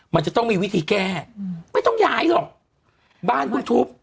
มันจะต้องมีวิธีแก้ไม่ต้องย้ายหรอกบ้านคุณทุบ